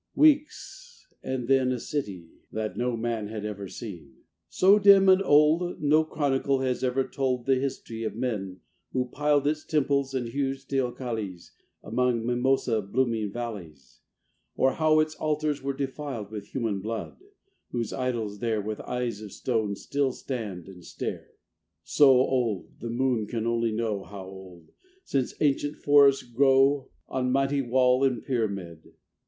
Weeks And then a city that no man Had even seen; so dim and old No chronicle has ever told The history of men who piled Its temples and huge teocallis Among mimosa blooming valleys; Or how its altars were defiled With human blood; whose idols there With eyes of stone still stand and stare. So old, the moon can only know How old, since ancient forests grow On mighty wall and pyramid.